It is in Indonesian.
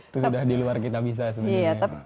itu sudah di luar kita bisa sebenarnya